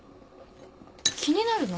気になるの？